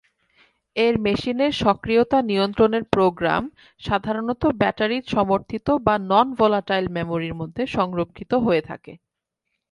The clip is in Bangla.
এর মেশিনের সক্রিয়তা নিয়ন্ত্রণের প্রোগ্রাম, সাধারণত ব্যাটারি সমর্থিত বা নন-ভলাটাইল মেমরি মধ্যে সংরক্ষিত হয়ে থাকে।